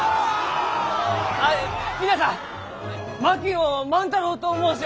あ皆さん槙野万太郎と申します。